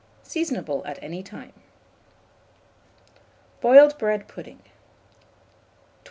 Seasonable at any time. BOILED BREAD PUDDING. 1252.